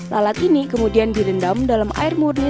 lalat ini kemudian direndam dalam air murni